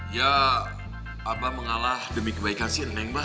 ya abah mengalah demi kebaikan si neng bah